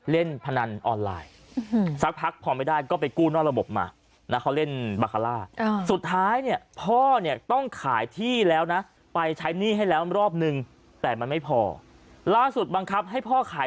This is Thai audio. เล่นพนันออนไลน์สักพักพอไม่ได้ก็ไปกู้นอนระบบมา